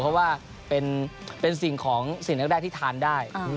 เพราะว่าเป็นสิ่งของสิ่งแรกที่ทานได้